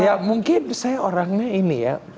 ya mungkin saya orangnya ini ya